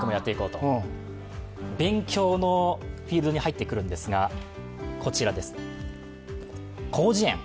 勉強のフィールドに入ってくるんですが、こちら、広辞苑。